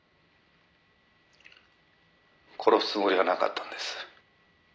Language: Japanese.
「殺すつもりはなかったんです」